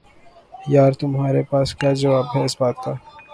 یار تمہارے پاس کیا جواب ہے اس بات کا